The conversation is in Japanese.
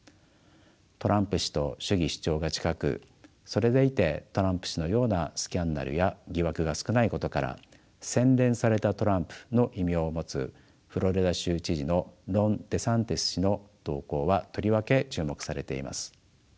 トランプ氏と主義主張が近くそれでいてトランプ氏のようなスキャンダルや疑惑が少ないことから洗練されたトランプの異名を持つフロリダ州知事のロン・デサンティス氏の動向はとりわけ注目されています。